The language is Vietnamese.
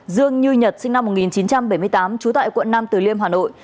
dương như nhật sinh năm một nghìn chín trăm bảy mươi tám trú tại quận năm từ liêm hà nội